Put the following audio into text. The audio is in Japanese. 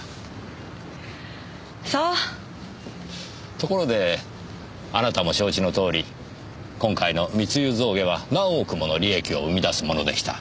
ところであなたも承知のとおり今回の密輸象牙は何億もの利益を生み出すものでした。